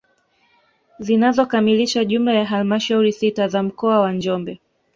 Zinazokamilisha jumla ya halmashauri sita za mkoa wa Njombe